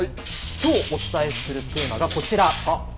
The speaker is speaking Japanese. きょうお伝えするテーマがこちら。